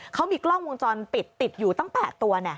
เขามีกล้องวงจรปิดติดอยู่ตั้ง๘ตัว